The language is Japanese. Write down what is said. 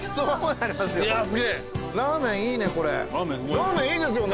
ラーメンいいですよね。